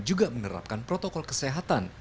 juga menerapkan protokol kesehatan